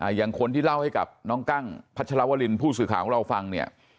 ให้กับน้องกั้งพัชรวรินผู้สื่อข่าวของเราฟังเนี่ย